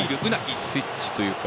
スイッチというか。